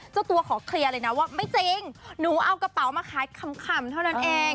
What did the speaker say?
เจ้าตัวขอเคลียร์เลยนะว่าไม่จริงหนูเอากระเป๋ามาขายขำเท่านั้นเอง